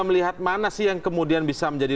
melihat mana sih yang kemudian bisa menjadi